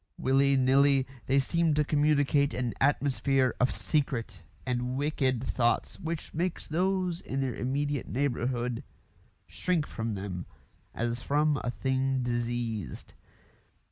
Willy nilly, they seem to communicate an atmosphere of secret and wicked thoughts which makes those in their immediate neighbourhood shrink from them as from a thing diseased.